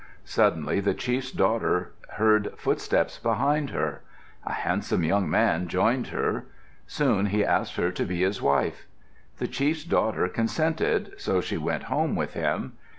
Suddenly the chief's daughter heard footsteps behind her. A handsome young man joined her. Soon he asked her to be his wife. The chief's daughter consented, so she went home with him.